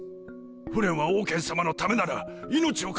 フレンはオウケン様のためなら命を懸ける男です。